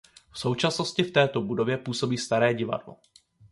V současnosti v této budově působí Staré divadlo.